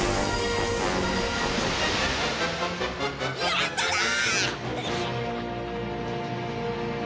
やっただ！